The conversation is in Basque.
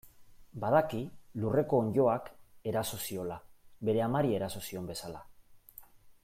Badaki lurreko onddoak eraso ziola, bere amari eraso zion bezala.